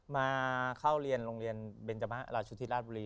มาเข้าเรียนโรงเรียนลาชุธิราชบุรี